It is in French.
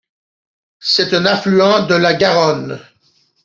C'est un affluent de la Garonne.